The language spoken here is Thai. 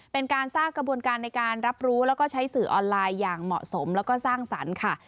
เป็นการสร้างกระบวนการในการรับรู้แล้วก็ใช้สื่อออนไลน์อย่างเหมาะสมแล้วก็สร้างสรรค์ค่ะ